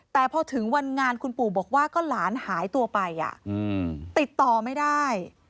แต่พอถึงวันงานคุณปู่บอกว่าก็หลานหายตัวไปติดต่อไม่ได้